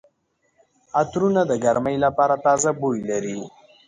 عطرونه د ګرمۍ لپاره تازه بوی لري.